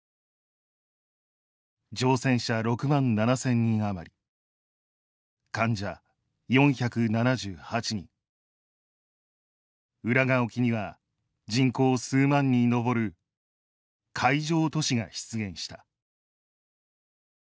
「乗船者６万７０００人あまり患者４７８人浦賀沖には人口数万に上る海上都市が出現した」。